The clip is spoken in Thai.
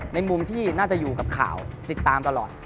ในมุมที่น่าจะอยู่กับข่าวติดตามตลอด